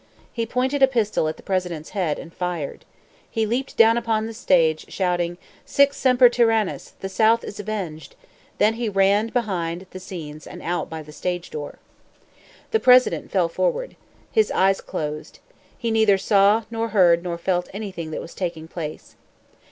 He pointed a pistol at the President's head, and fired. He leaped down upon the stage, shouting "Sic semper tyrannis! The South is avenged!" Then he ran behind the scenes and out by the stage door. The President fell forward. His eyes closed. He neither saw, nor heard, nor felt anything that was taking place.